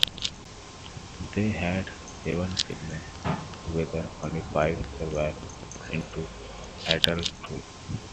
They had seven children together; only five survived into adulthood.